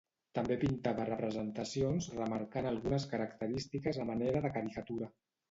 També pintava representacions remarcant algunes característiques a manera de caricatura.